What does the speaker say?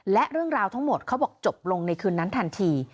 และเรื่องราวทั้งหมดเขาบอกจบลงในคืนนั้นทันที